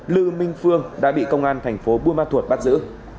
lư minh phương đã bị công an thành phố buôn ma thuột bắt giữ